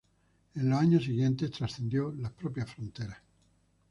En años siguientes trascendió las propias fronteras.